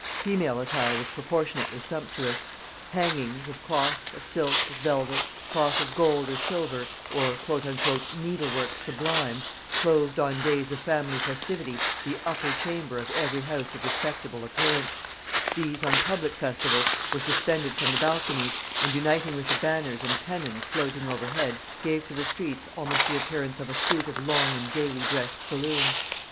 Female attire was proportionally sumptuous. Hangings, of cloth, of silk, of velvet, cloth of gold or silver, or "needlework sublime," clothed on days of family festivity the upper chamber of every house of respectable appearance; these on public festivals were suspended from the balconies, and uniting with the banners and pennons floating overhead, gave to the streets almost the appearance of a suit of long and gayly dressed saloons.